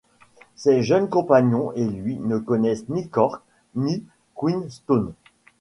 Ses jeunes compagnons et lui ne connaissaient ni Cork… ni Queenstown…